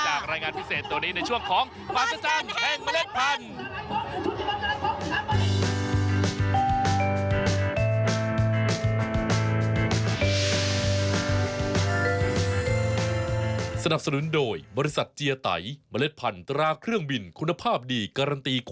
รายงานพิเศษตัวนี้ในช่วงของมหาศจรรย์แห่งเมล็ดพันธุ์